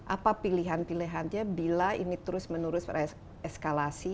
apa pilihan pilihannya bila ini terus menerus beres eskalasi